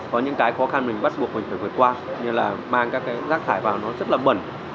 có những cái khó khăn mình bắt buộc mình phải vượt qua như là mang các cái rác thải vào nó rất là bẩn